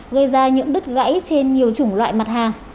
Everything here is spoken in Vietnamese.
gây ra những đứt gãy trên nhiều chủng loại mặt hàng